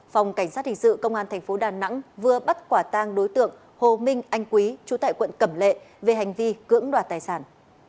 phòng cảnh sát hình sự công an tp đà nẵng vừa bắt quả tang đối tượng hồ minh anh quý chú tại quận cẩm lệ về hành vi cưỡng đoạt tài sản